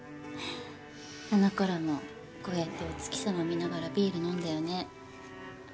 あの頃もこうやってお月様見ながらビール飲んだよね。